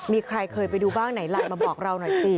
มีใครเคยไปดูบ้างไหนไลน์มาบอกเราหน่อยสิ